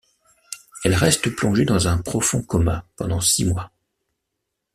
Elle reste plongée dans un profond coma pendant six mois.